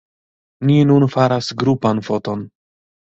Ni nun faras grupan foton